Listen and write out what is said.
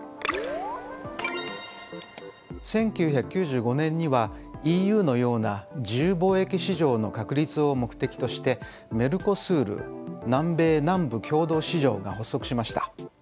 １９９５年にはＥＵのような自由貿易市場の確立を目的としてＭＥＲＣＯＳＵＲ南米南部共同市場が発足しました。